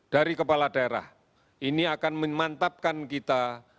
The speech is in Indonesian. dari kepala daerah ini akan memantapkan kita